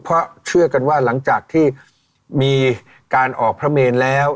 เพราะเชื่อกันว่าหลังจากที่มีการออกพระเมนแล้ว